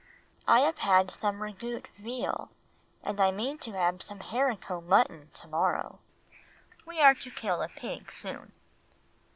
I have had some ragout veal, and I mean to have some haricot mutton to morrow. We are to kill a pig soon."